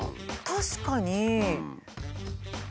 確かに。